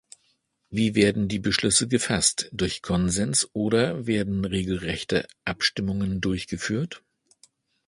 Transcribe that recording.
Wie werden die Beschlüsse gefasst, durch Konsens oder werden regelrechte Abstimmungen durchgeführt?